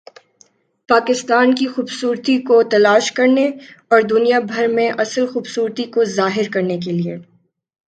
پاکستان کی خوبصورتی کو تلاش کرنے اور دنیا بھر میں اصل خوبصورتی کو ظاہر کرنے کے لئے